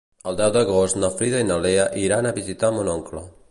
El deu d'agost na Frida i na Lea iran a visitar mon oncle.